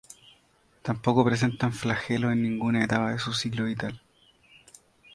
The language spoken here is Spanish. Tampoco presentan flagelos en ninguna etapa de su ciclo vital.